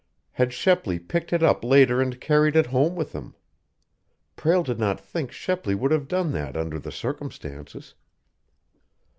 Had Shepley picked it up later and carried it home with him? Prale did not think Shepley would have done that under the circumstances.